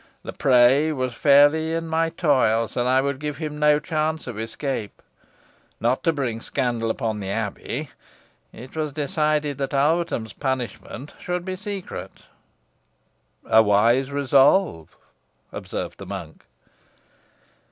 The prey was fairly in my toils, and I would give him no chance of escape. Not to bring scandal upon the abbey, it was decided that Alvetham's punishment should be secret." "A wise resolve," observed the monk.